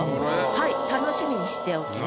はい楽しみにしておきます。